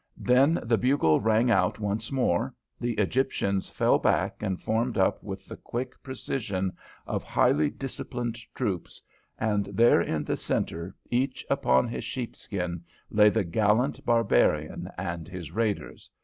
Then the bugle rang out once more, the Egyptians fell back and formed up with the quick precision of highly disciplined troops, and there in the centre, each upon his sheepskin, lay the gallant barbarian and his raiders.